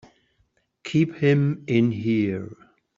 Keep him in here!